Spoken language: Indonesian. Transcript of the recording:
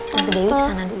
tante dewi kesana dulu